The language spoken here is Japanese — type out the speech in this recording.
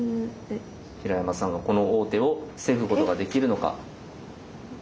平山さんがこの王手を防ぐことができるのか？